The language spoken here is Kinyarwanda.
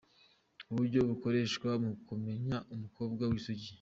Uburyo bukoreshwa mu kumenya umukobwa w’isugi